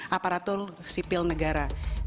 aparatur sipil negara